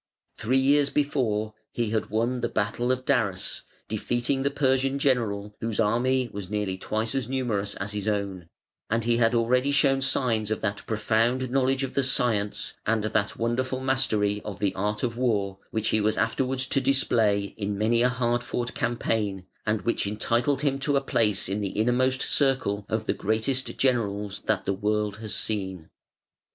Three years before, he had won the battle of Daras, defeating the Persian general, whose army was nearly twice as numerous as his own, and he had already shown signs of that profound knowledge of the science, and that wonderful mastery of the art of war which he was afterwards to display in many a hard fought campaign, and which entitled him to a place in the innermost circle of the greatest generals that the world has seen.